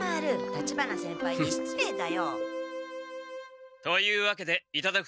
立花先輩にしつれいだよ。というわけでいただくことにした。